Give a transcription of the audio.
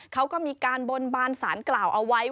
เขาก็มีการบนบานสารกล่าวเอาไว้